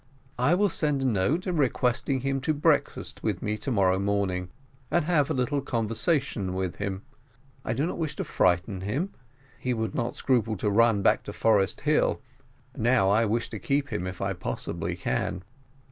I will send a note, requesting him to breakfast with me to morrow morning, and have a little conversation with him. I do not wish to frighten him: he would not scruple to run back to Forest Hill now I wish to keep him if I possibly can."